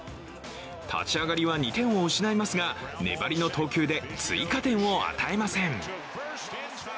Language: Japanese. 立ち上がりは２点を失いますが粘りの投球で追加点を与えません。